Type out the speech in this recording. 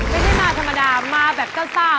ไม่ได้มาธรรมดามาแบบซ่า